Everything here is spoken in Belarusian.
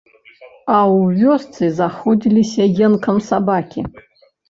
А ў вёсцы заходзіліся енкам сабакі.